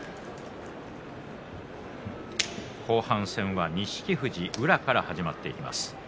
後半戦は錦富士、宇良から始まります。